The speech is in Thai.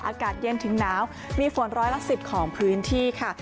อากาศเย็นถึงหนาวมีฝนร้อยละ๑๐ของพื้นที่ค่ะ